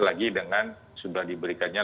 lagi dengan sudah diberikannya